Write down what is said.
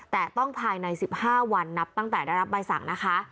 แต่ต้องภายใน๑๕วันนับตั้งแต่ได้รับใบสั่งนะคะ